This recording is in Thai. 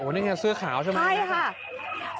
นี่คือเสื้อขาวใช่ไหมแม็กซ์อาจารย์ใช่ค่ะ